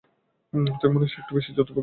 তুমি মানুষটা একটু বেশিই চতুর প্রকৃতির।